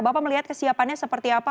bapak melihat kesiapannya seperti apa